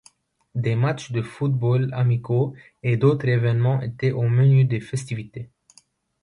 Des matches de football amicaux et d'autres événements étaient au menu des festivités.